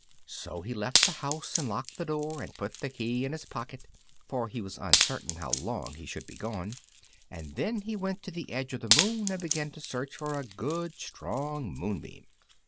So he left the house and locked the door and put the key in his pocket, for he was uncertain how long he should be gone; and then he went to the edge of the moon and began to search for a good strong moonbeam.